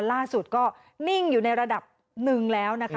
ล่าสุดก็นิ่งอยู่ในระดับหนึ่งแล้วนะคะ